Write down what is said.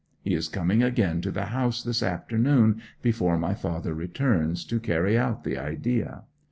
He is coming again to the house this afternoon before my father returns, to carry out the idea.